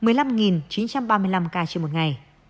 một mươi năm chín trăm ba mươi năm ca trên một ngày